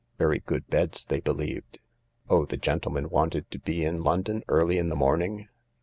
Very good beds, they believed. Oh, the gentleman wanted to be in London early in the morning